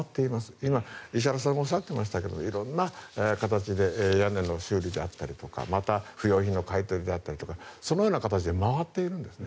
今、石原さんがおっしゃっていましたが色んな形で屋根の修理であったりとか不用品の買い取りであったりとかそのような形で回っているんですね。